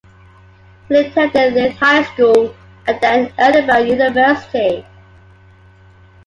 He attended Leith High School and then Edinburgh University.